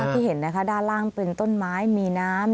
ที่เห็นนะคะด้านล่างเป็นต้นไม้มีน้ำ